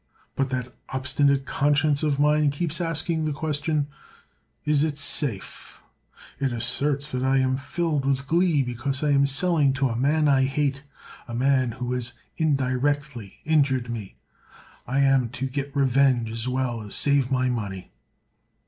But that obstinate conscience of mine keeps asking the question: 'Is it safe?' It asserts that I am filled with glee because I am selling to a man I hate—a man who has indirectly injured me. I am to get revenge as well as save my money.